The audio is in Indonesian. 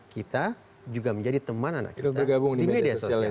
kita juga menjadi teman anak kita di media sosial